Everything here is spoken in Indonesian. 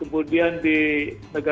kemudian di indonesia